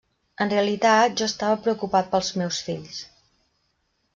En realitat, jo estava preocupat pels meus fills!